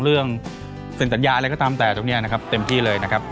เรื่องเซ็นตัญญาอะไรก็ตามแต่ตรงนี้เต็มที่เลย